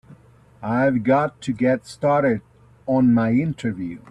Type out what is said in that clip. I've got to get started on my interview.